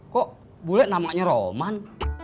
kok bule namanya roman